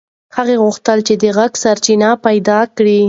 هغه غوښتل چې د غږ سرچینه پیدا کړي.